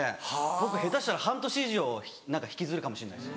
僕下手したら半年以上何か引きずるかもしんないです。